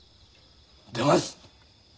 出ます。